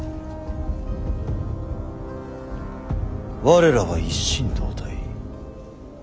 我らは一心同体。